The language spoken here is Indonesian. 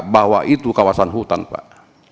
bahwa itu kawasan hutan pak